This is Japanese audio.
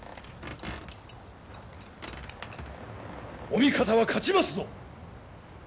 お味方は勝ちますぞ！